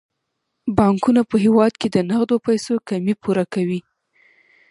بانکونه په هیواد کې د نغدو پيسو کمی پوره کوي.